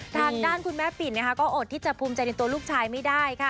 ทางด้านคุณแม่ปิ่นก็อดที่จะภูมิใจในตัวลูกชายไม่ได้ค่ะ